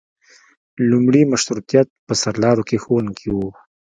لومړي مشروطیت په سرلارو کې ښوونکي وو.